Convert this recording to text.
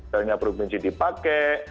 tanya provinsi dipakai